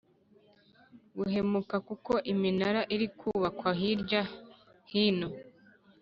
gukemuka kuko iminara iri kubakwa hirya hino